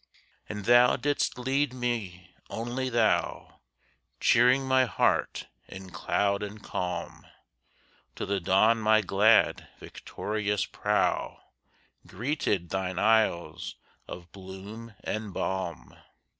And Thou didst lead me, only Thou, Cheering my heart in cloud and calm, Till the dawn my glad, victorious prow Greeted Thine isles of bloom and balm.